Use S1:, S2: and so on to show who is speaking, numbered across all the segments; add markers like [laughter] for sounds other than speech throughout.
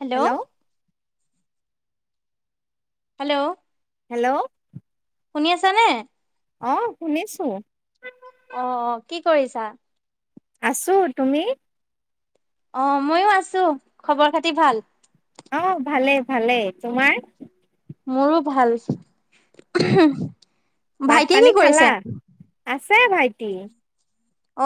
S1: Hello. Hello.
S2: Hello.
S1: শুনি আছানে?
S2: অ' শুনিছোঁ।
S1: অ', অ' কি কৰিছা?
S2: আছোঁ, তুমি?
S1: অ' ময়ো আছোঁ। খবৰ খাতি ভাল?
S2: অ' ভালে ভালে। তোমাৰ?
S1: মোৰো ভাল।
S2: ভাত
S1: ভাইটিয়ে
S2: পানী
S1: কি কৰিছে?
S2: খালা? আছে ভাইটি।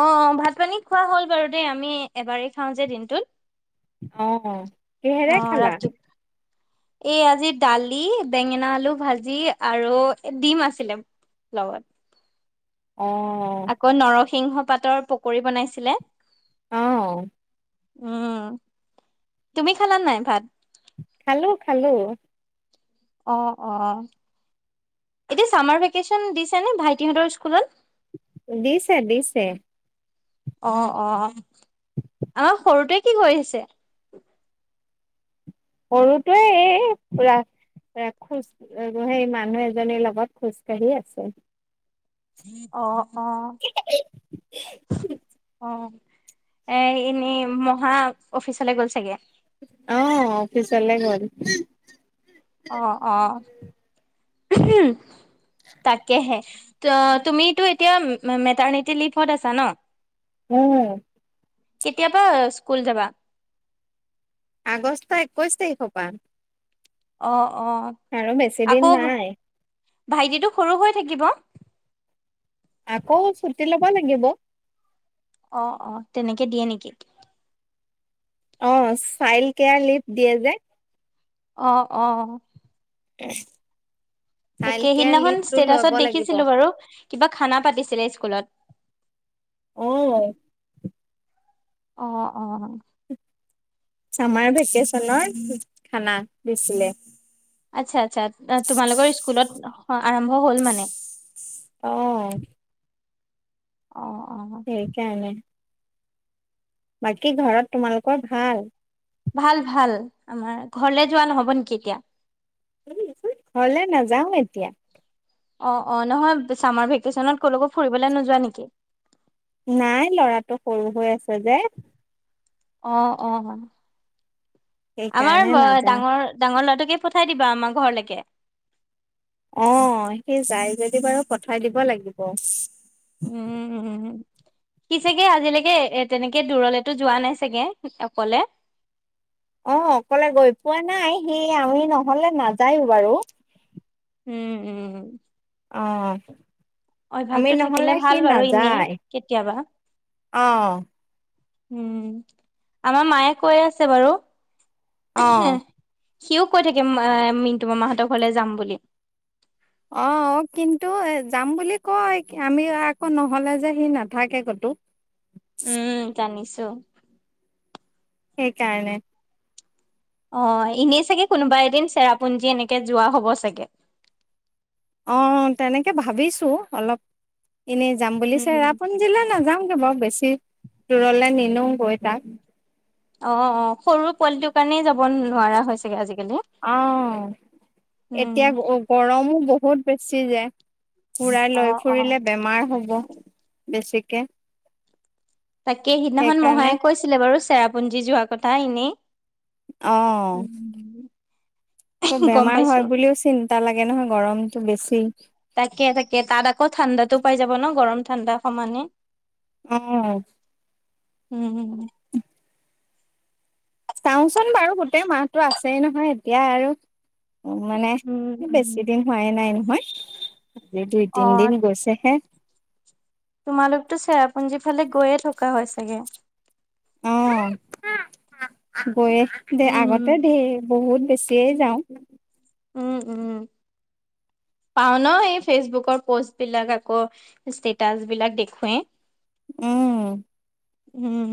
S1: অ', অ' ভাত পানী খোৱা হ'ল বাৰু দেই, আমি এবাৰেই খাওঁ যে দিনটোত।
S2: অ'। কিহেৰে
S1: অ'
S2: খালা
S1: ৰাতি। এই আজি দালি, বেঙেনা, আলু ভাজি, আৰু ডিম আছিলে। লগত।
S2: অ'।
S1: আকৌ নৰসিংহ পাতৰ পকৰি বনাইছিলে।
S2: অ'।
S1: উম। তুমি খালা নাই ভাত?
S2: খালোঁ খালোঁ।
S1: অ', অ' এতিয়া চামাৰ ভেকেচন দিছেনে ভাইটিহঁতৰ স্কুলত?
S2: দিছে দিছে।
S1: অ', অ'। আমাৰ সৰুটোৱে কি কৰিছে?
S2: সৰুটোৱে এই পুৰা, এ খোজ সেই মানুহ এজনীৰ লগত খোজ কাঢ়ি আছে।
S1: অ অ অ। এ এনেই মহা অফিচলৈ গ'ল চাগে।
S2: অ অফিচলৈ গ'ল।
S1: অ অ। তাকেহে ত তুমিটো এতিয়া মেটাৰ্নিটি লিভত আছা ন।
S2: উম।
S1: কেতিয়াবা স্কুল যাবা।
S2: আগষ্ট একৈছ তাৰিখৰ পৰা।
S1: অ অ,
S2: আৰু বেছি
S1: আকৌ
S2: দিন নাই।
S1: ভাইটিটো সৰু হৈ থাকিব।
S2: আকৌ ছুটি ল'ব লাগিব।
S1: অ অ তেনেকে দিয়ে নেকি।
S2: অ চাইল্ড কেয়াৰ লিভ দিয়ে যে,
S1: অ অ,
S2: [unintelligible]
S1: তাকে
S2: কেয়াৰ
S1: সিদিনাখন
S2: লিভটো ল'ব
S1: ষ্টেটাচত
S2: লাগিব।
S1: দেখিছিলো বাৰু কিবা খানা এটা দিছিলে স্কুলত।
S2: অ,
S1: অ অ,
S2: চামাৰ ভেকেশচনৰ খানা দিছিলে।
S1: আচ্ছা আচ্ছা তোমালোকৰ স্কুলত আৰম্ভ হ'ল মানে।
S2: অ
S1: অ অ,
S2: সেইকাৰনে। বাকী ঘৰত তোমালোকৰ ভাল।
S1: ভাল ভাল আমাৰ ঘৰলে যোৱা নহ'ব নেকি এতিয়া।
S2: ঘৰলে নাযাওঁ এতিয়া।
S1: অ অ নহয় চামাৰ ভেকেশচনত কলকো ফুৰিবলৈ নোযোৱা নেকি।
S2: নাই ল'ৰাটো সৰু হৈ আছে যে।
S1: অ অ আমাৰ
S2: সেইকাৰণে নাযাওঁ।
S1: ডাঙৰ, ডাঙৰ ল'ৰাটোকে পঠাই দিবা আমাৰ ঘৰলৈকে।
S2: অ সি যায় যদি বাৰু পঠাই দিব লাগিব।
S1: উম উম, কি চাগে আজিলৈকে এ তেনেকে দূৰলেতো যোৱা নাই চাগে অকলে।
S2: অ অকলে গৈ পোৱা নাই সি আমি নহলে নাযায়ো বাৰু
S1: উম উম,
S2: অ আমি
S1: অভ্যাসটো থাকিলে
S2: নহলে সি
S1: ভাল বাৰু এনেই
S2: নাযায়
S1: কেতিয়াবা।
S2: অ,
S1: উম আমাৰ মায়ে কৈ আছে বাৰু
S2: অ'।
S1: সিওঁ কৈ থাকিম মিণ্টু মামাহঁতৰ ঘৰলে যাম বুলি।
S2: অ অ কিন্তু এ যাম বুলি কয় আমি আকৌ নহলে যে সি নাথাকে কতো।
S1: [inaudible] জানিছো।
S2: সেইকাৰণে
S1: অ এনেই চাগে কোনোবা এদিন চেৰাপুঞ্জী এনেকে যোৱা হ'ব চাগে।
S2: অ তেনেকে ভাবিছোঁ অলপ এনেই যাম বুলি
S1: উম
S2: চেৰাপুঞ্জী, সেইফালে নাযাওঁগে বাৰু বেছি দূৰলৈ নিনিওঁ গৈ তাক
S1: অ অ সৰু পোৱালিটোৰ কাৰণেই যাব নোৱাৰা হৈছেগে আজিকালি
S2: অ
S1: উম
S2: এতিয়া গৰমো বহুত বেছি যে। ফুৰাই
S1: অ
S2: লৈ
S1: অ
S2: ফুৰিলে বেমাৰ হ'ব বেছিকে।
S1: তাকে সিদিনাখন
S2: সেইকাৰণে
S1: মহায়ে কৈছিলে বাৰু চেৰাপুঞ্জী, যোৱাৰ কথা এনেই-
S2: অ
S1: উম
S2: আকৌ
S1: গম
S2: বেমাৰ
S1: পাইছো
S2: হয় বুলিও চিন্তা লাগে নহয় গৰমতটো বেছি।
S1: তাকে তাকে তাত আকৌ ঠাণ্ডাতো, পাই যাব ন গৰম ঠাণ্ডা সমানে
S2: অ
S1: উম উম
S2: চাওঁচোন বাৰু গোটেই মাহতটো আছেই নহয় এতিয়া আৰু উ মানে
S1: উম
S2: বেছি
S1: উম
S2: দিন হোৱাই নাই নহয়। সেইটোৱে
S1: অ
S2: তিনি দিন গৈছে হে।
S1: তোমালোকতো চেৰাপুঞ্জী, ফালে গৈয়ে থকা হয় চাগে।
S2: অ গৈ দে
S1: উম
S2: আগতে দেই বহুত বেছিয়ে যাওঁ।
S1: উম উম পাও ন এই ফেচবুকৰ, পোষ্ট বিলাক আকৌ ষ্টেটাচ বিলাক দেখুৱে
S2: উম
S1: উম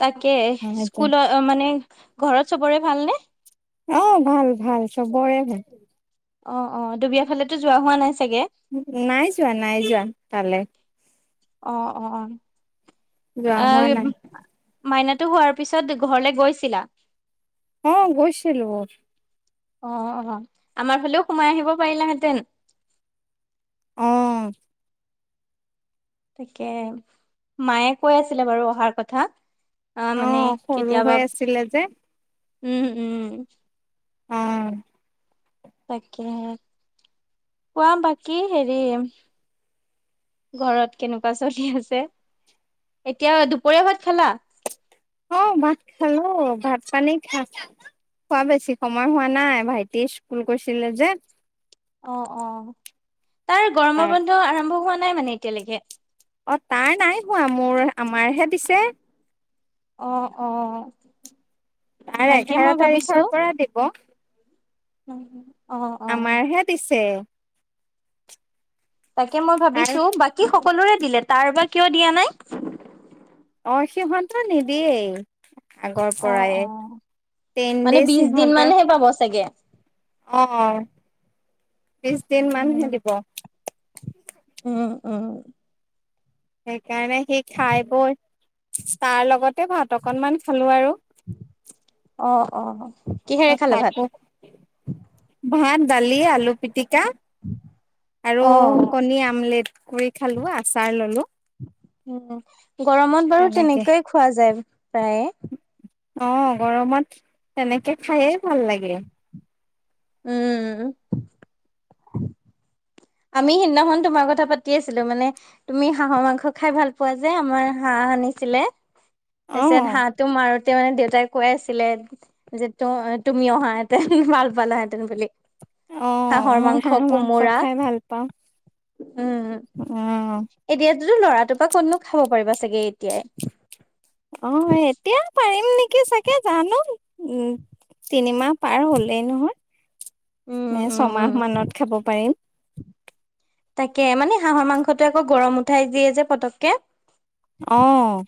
S1: তাকে
S2: সেইটোৱে
S1: স্কুলত অ মানে ঘৰত চবৰে ভালনে
S2: অ ভাল ভাল চবৰে ভাল
S1: অ অ দুবিয়াৰ ফালেতো যোৱা হোৱা নাই চাগে।
S2: নাই যোৱা নাই যোৱা তালৈ।
S1: অ অ অ
S2: যোৱা হোৱা নাই
S1: মাইনাটো, হোৱাৰ পিছত ঘৰলে গৈছিলা।
S2: অ গৈছিলো।
S1: অ অ আমাৰ ফালেও সোমাই আহিব পাৰিলাহেঁতেন।
S2: অ
S1: তাকে মায়ে কৈ আছিলে বাৰু অহাৰ কথা। আহ
S2: অ
S1: মানে
S2: সৰু
S1: কেতিয়াবা
S2: হৈ আছিলে যে
S1: উম উম
S2: অ
S1: তাকে কোৱা বাকী হেৰি ঘৰত কেনেকুৱা চলি আছে এতিয়া দুপৰীয়া ভাত, খালা
S2: অ ভাত, খালো ভাত পানী খা খোৱা বেছি সময় হোৱা নাই ভাইটিয়ে স্কুল কৈছিলে যে
S1: অ অ তাৰ গৰমৰ
S2: তাত
S1: বন্ধ আৰম্ভ হোৱা নাই মানে এতিয়ালৈকে
S2: অ তাৰ নাই হোৱা মোৰ আমাৰহে দিছে।
S1: অ অ
S2: তাইৰ
S1: তাকে
S2: এঘাৰ
S1: মই
S2: তাৰিখৰ পৰা দিব-
S1: উম হুম
S2: আমাৰহে দিছে।
S1: তাকে মই
S2: তাৰ
S1: ভাবিছো, বাকী সকলোৰে দিলে তাৰ বা কিয় দিয়া নাই।
S2: অঁ', সিহঁতে নিদিয়েই। আগৰ
S1: অ
S2: পৰাই,
S1: অ
S2: টেইন
S1: মানে
S2: ডেইজ
S1: বিশ দিন
S2: সিহঁতৰ। অঁ',
S1: মানহে পাব চাগে।
S2: -অঁহ', -বিশ দিন মান থাকিব।
S1: উম-উম।
S2: সেইকাৰণে সি খাই বৈ তাৰ লগতে ভাত অকণমান খালো আৰু।
S1: অঁহ', -অঁহ', -।
S2: তাকো, ভাত, দালি, আলু পিটিকা। আৰু
S1: অ
S2: কণী আমলেট কৰি খালো আচাৰ ল'লো।
S1: উম, গৰমত বাৰু
S2: তেনেকে
S1: তেনেকেই খোৱা যায় প্ৰায়ে।
S2: অঁ', - গৰমত তেনেকে খায়ে ভাল লাগে।
S1: উমঁ। আমি সিদিনাখন তোমাৰ কথা পাতি আছিলোঁ, মানে- তুমি হাঁহৰ মাংস খাই ভাল পোৱা যে আমাৰ হাঁহ আনিছিলে। তাৰ
S2: অ
S1: পিছত হাঁহটো মাৰোতে মানে দেউতাই- কৈ আছিলে যে ত' তুমি অহা হেঁতেন ভাল পালে হেঁতেন বুলি। হাঁহৰ মাংস, কোমোৰা।
S2: অহ।
S1: উমঁ।
S2: উমঁ।
S1: এতিয়া তো ল'ৰাটোৰ পৰা ক'ত নো খাব পাৰিবা চাগে এতিয়াই।
S2: অঁ' এতিয়া পাৰিম নেকি চাগে জানো উম' তিনিমাহ। পাৰ হ'লেই নহয়,
S1: উম,
S2: মানে ছমাহ
S1: উম।
S2: মানত খাব পাৰিম।
S1: তাকে, মানে হাঁহৰ মাংসটো আকৌ গৰম উঠাই দিয়ে যে পতককে।
S2: অঁ',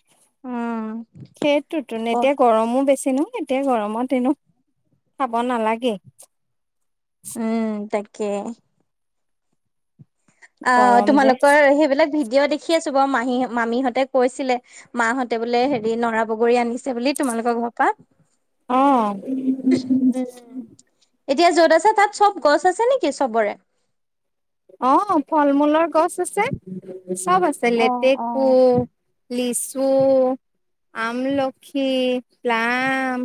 S2: সেইটোতো,
S1: আকৌ
S2: তেতিয়া গৰমো বেছি নহয়। এতিয়া গৰমত এনেও খাব নালাগে।
S1: উমঁ তাকে। আঁহ
S2: গৰম যে
S1: তোমালোকৰ সেইবিলাক ভিডিঅ' দেখি আছো বাৰু মাহী, মামীহঁতে কৈছিলে। মাহঁতে বোলে হেৰি নৰা বগৰী আনিছে বুলি তোমালোকৰ ঘৰ পা।
S2: অঁহ।
S1: উম, এতিয়া য'ত আছে তা'ত চব গছ আছে নেকি চবৰে।
S2: অঁ', ফল- মূলৰ গছ আছে চব আছে।
S1: অ',
S2: লেতেকু-
S1: অ'।
S2: লিচু, আমলখি, প্লাম-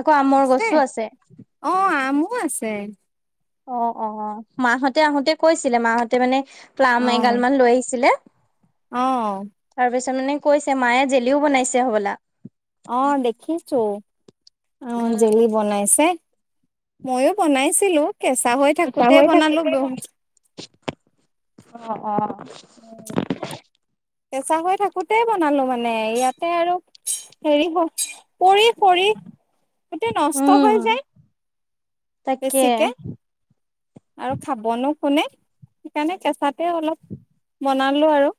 S1: আকৌ আমৰ গছো আছে।
S2: অঁ', আমো আছে।
S1: অ', - অহ', - মাহঁতে আহোতে কৈছিলে, মাহঁতে মানে- প্লাম এগাল মান লৈ আহিছিলে।
S2: অঁহ।
S1: তাৰ পিছত মানে কৈছে মায়ে জেলিও বনাইছে হ'বলা।
S2: অঁ', -দেখিছো। অঁ',
S1: উম
S2: -জেলী- বনাইছে, ময়ো বনাইছিলো কেঁচা হৈ থাকোতে বনালো, বহুত
S1: অঁ', -অঁহ', -।
S2: উমঁ। কেঁচা হৈ থাকোতে বনালো মানে, ইয়াতে আৰু হেৰি হ'ল- পৰি-পৰি গোটেই নষ্ট
S1: উম
S2: হৈ যায়।
S1: তাকে।
S2: বেছিকে আৰু খাবনো কোনে সেইকাৰণে কেঁচাতে অলপ বনালো আৰু।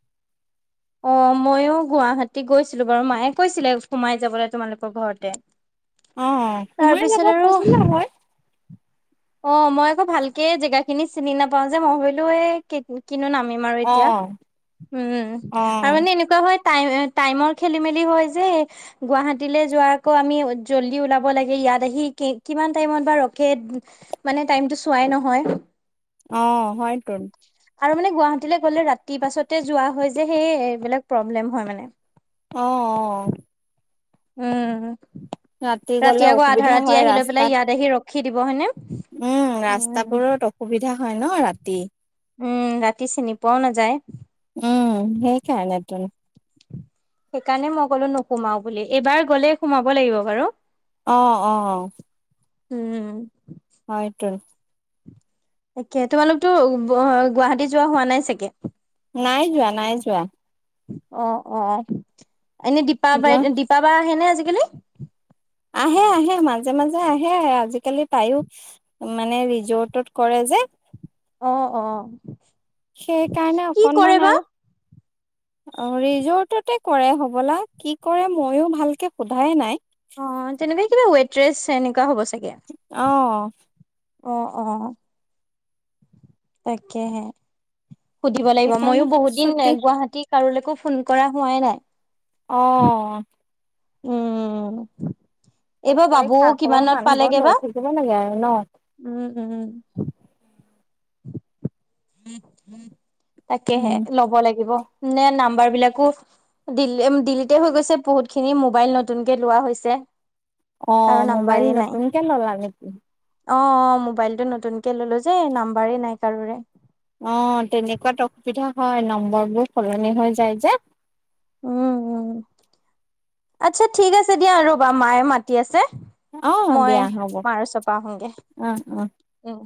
S1: অঁ ময়ো গুৱাহাটী গৈছিলো বাৰু মায়ে কৈছিলে সোমাই যাবলৈ তোমালোকৰ ঘৰতে।
S2: অ সোমাই যাব
S1: তাৰপিছত আৰু।
S2: পাৰিলে হয়
S1: অঁ মই আকৌ ভালকে জেগা খিনি চিনি নাপাওঁ যে মই ভাবিলো এই কেইদিন কিনো নামিম আৰু
S2: অ
S1: এতিয়া উমঁ।
S2: অ
S1: এনেকুৱা হয় টাইম টাইমৰ খেলি মেলি হয় যে। গুৱাহাটীলৈ যোৱা আকৌ আমি জল্দি উওলাব লাগে ইয়াত আহি কিমান টাইমত বা ৰখে। মানে টাইমটো চোৱাই নহয়।
S2: অঁ হয়তোন।
S1: আৰু মানে গুৱাহাটীলৈ গলে ৰাতি পাছতে যোৱা হয় যে সেই এইবিলাক প্ৰব্লেম হয় মানে।
S2: অঁ অঁ! অহ।
S1: উমঁ
S2: গলে
S1: ৰাতি আকৌ আধা
S2: অসুবিধা
S1: ৰাতি
S2: হয়
S1: আহি লৈ পেলাই ইয়াত আহি ৰখি দিব হয়নে?
S2: উমঁ
S1: উম,
S2: ৰাস্তাবোৰত অসুবিধা হয় ন ৰাতি।
S1: উমঁ ৰাতি চিনি পোৱাও নাযায়।
S2: উমঁ সেইকাৰণে টোন।
S1: সেইকাৰণে মই ক'লো নোসোমাও বুলি এইবাৰ গ'লে সোমাব লাগিব বাৰু।
S2: অঁ অঁ!
S1: উমঁ!
S2: হয় টোন!
S1: তাকে তোমালোকতো গুৱাহাটী যোৱা হোৱা নাই চাগে।
S2: নাই যোৱা নাই যোৱা।
S1: অঁ অঁ এনে
S2: যোৱা
S1: দিপাবাৰীত দীপাবা আহেনে আজিকালি?
S2: আহে আহে মাজে মাজে আহে আহে আজিকালি তায়ো মানে ৰিজোৰ্টত কৰে যে।
S1: অঁ অঁ!
S2: সেইকাৰণে অকনমান আৰু।
S1: [inaudible]
S2: অঁ ৰিজোৰ্টতে কৰে হবলা কি কৰে ময়ো ভালকে সোধাই নাই।
S1: অঁ তেনেকুৱা কিবা ৱেটৰেচ এনেকুৱা হ'ব চাগে।
S2: অঁ!
S1: অঁ অঁ! তাকেহে সুধিব লাগিব
S2: সেইকাৰণে
S1: ময়ো বহুত দিন
S2: ছুটি
S1: গুৱাহাটীত। কাৰোলৈকো ফোন কৰা হোৱাই নাই।
S2: অঁ!
S1: উমঁ উমঁ উমঁ।
S2: ফোন
S1: এইবাৰ
S2: কৰি
S1: বাবু
S2: খা খবৰ
S1: কিমানত
S2: মানুহবোৰ
S1: পালেগে
S2: লৈ
S1: বা
S2: থাকিব লাগে আৰু ন
S1: উঁম উমঁ। তাকেহে
S2: উম
S1: ল'ব লাগিব নে নাম্বাৰ বিলাকো- দিল্লী দিল্লীতে হৈ গৈছে বহুতখিনি মোবাইল নতুনকে লোৱা হৈছে। কাৰো
S2: অঁ মোবাইল নতুনকে ললা নেকি?
S1: অঁ অঁ মোবাইলটো নতুনকে ললো যে নাম্বাৰেই নাই কাৰোৰে।
S2: অঁ তেনেকুৱাত অসুবিধা হয় নম্বৰ বোৰ সলনি হৈ যায় যে।
S1: উমঁ উমঁ আচ্ছা ঠিক আছে দিয়া ৰ'বা মায়ে মাতি আছে।
S2: অ
S1: মই
S2: দিয়া হ'ব
S1: মাৰ ওচৰপা আহোংগে
S2: অ অ
S1: উমঁ।